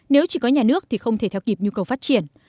nếu chỉ có nhà nước thì không thể theo kịp nhu cầu phát triển